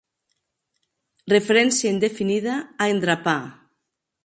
referència indefinida a "endrapar"